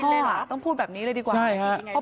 โอ้โหช่วยชีวิตพ่อต้องพูดแบบนี้เลยดีกว่า